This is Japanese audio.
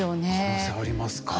可能性ありますか。